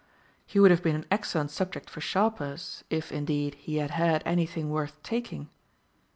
He would have been an excellent subject for sharpers, if, indeed, he had had anything worth taking!'